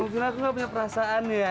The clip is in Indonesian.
oh kamu bilang aku tidak punya perasaan ya